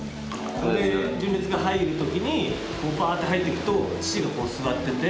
で純烈が入る時にバーって入っていくと父が座ってて。